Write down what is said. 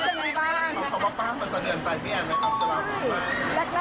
ใช่แรกจุดเท่านี้เริ่มชิม